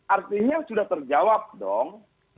artinya sudah terjawab dong